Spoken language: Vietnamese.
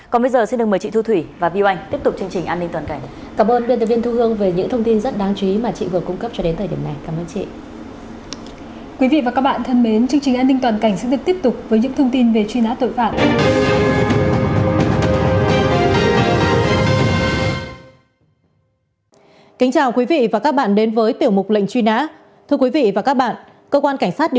còn bây giờ xin đừng mời chị thu thủy và viu anh tiếp tục chương trình an ninh toàn cảnh